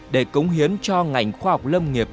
để cống hiến cho ngành khoa học lâm nghiệp